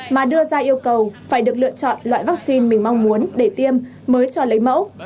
mà đưa ra yêu cầu phải được lựa chọn loại vaccine mình mong muốn để tiêm mới cho lấy mẫu